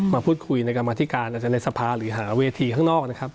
มาพูดคุยในกรรมธิการอาจจะในสภาหรือหาเวทีข้างนอกนะครับ